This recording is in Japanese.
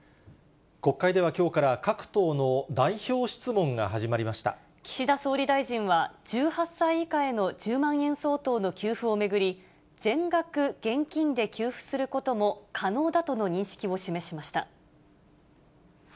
国会ではきょうから、岸田総理大臣は、１８歳以下への１０万円相当の給付を巡り、全額現金で給付することも可能だとの認識を示しました。